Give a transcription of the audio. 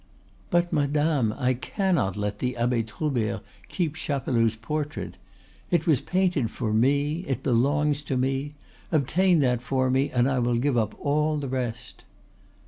"But, madame, I cannot let the Abbe Troubert keep Chapeloud's portrait. It was painted for me, it belongs to me; obtain that for me, and I will give up all the rest."